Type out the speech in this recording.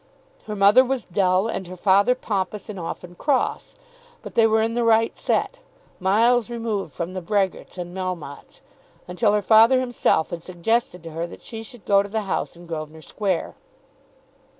Her mother was dull, and her father pompous and often cross; but they were in the right set, miles removed from the Brehgerts and Melmottes, until her father himself had suggested to her that she should go to the house in Grosvenor Square.